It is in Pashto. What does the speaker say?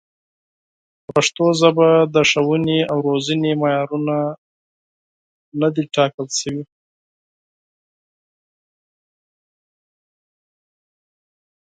په پښتو ژبه د ښوونې او روزنې معیارونه نه دي ټاکل شوي.